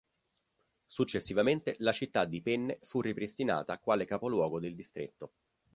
Successivamente, la città di Penne fu ripristinata quale capoluogo del distretto.